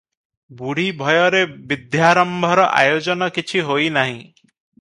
ବୁଢ଼ୀ ଭୟରେ ବିଧ୍ୟାରମ୍ଭର ଆୟୋଜନ କିଛି ହୋଇ ନାହିଁ ।